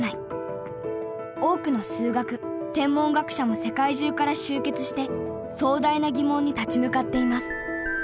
多くの数学天文学者も世界中から集結して壮大な疑問に立ち向かっています。